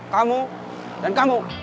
kamu dan kamu